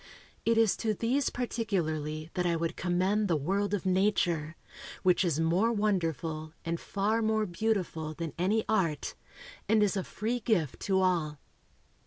It is to these particularly that I would commend the world of nature, which is more wonderful and far more beautiful than any art, and is a free gift to all.